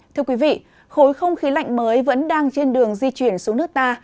thưa quý vị khối không khí lạnh mới vẫn đang trên đường di chuyển xuống nước ta